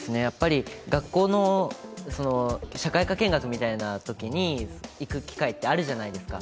学校の社会科見学みたいなときに行く機会ってあるじゃないですか。